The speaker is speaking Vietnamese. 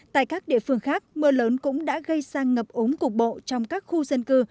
tại các địa phương khác mưa lớn cũng đã gây sang ngập ống cục bộ trong các khu dân cư